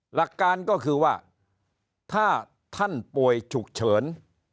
หลักการก็คือว่าถ้าท่านป่วยฉุกเฉิน